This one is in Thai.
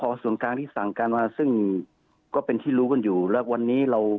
ขอจะถอมอ่านคงสร้างการมาสี่ติน้อยเป็นที่รู้กันอยู่ละวันนี้เรา